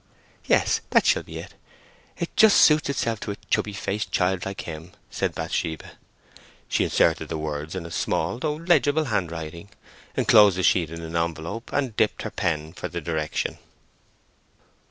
"Yes, that shall be it. It just suits itself to a chubby faced child like him," said Bathsheba. She inserted the words in a small though legible handwriting; enclosed the sheet in an envelope, and dipped her pen for the direction.